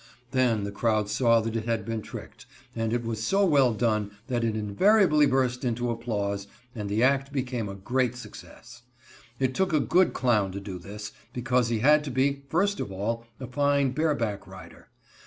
Then the crowd saw that it had been tricked, but it was so well done that it invariably burst into applause, and the act became a great success. It took a good clown to do this, because he had to be, first of all, a fine bareback rider.